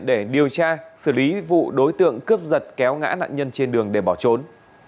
để điều tra xử lý vụ đối tượng cướp giật kéo ngã nạn nhân trên đường để bỏ trốn